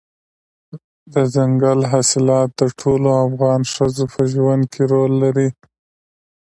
دځنګل حاصلات د ټولو افغان ښځو په ژوند کې رول لري.